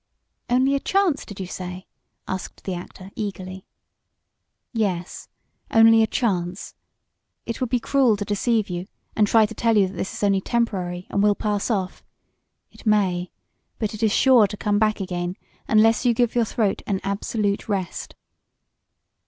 "Only a chance did you say?" asked the actor, eagerly. "Yes, only a chance. It would be cruel to deceive you, and try to tell you that this is only temporary, and will pass off. It may, but it is sure to come back again, unless you give your throat an absolute rest."